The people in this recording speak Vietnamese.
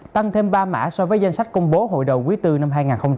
tăng thêm ba mã so với danh sách công bố hồi đầu quý bốn năm hai nghìn hai mươi ba